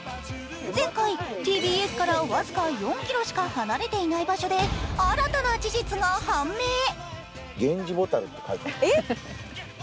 前回、ＴＢＳから僅か４ｋｍしか離れていない場所で新たな事実が判明。